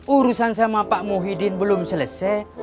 urusan sama pak muhyiddin belum selesai